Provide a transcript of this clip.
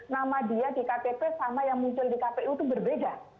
nama dia di ktp sama yang muncul di kpu itu berbeda